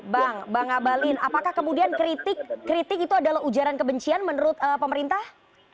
bang bang abalin apakah kemudian kritik itu adalah ujaran kebencian menurut pemerintah